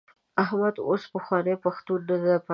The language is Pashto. احمد اوس پخوانی پښتون نه دی پاتې. ډېرو بدو کارو ته یې بډې وهلې.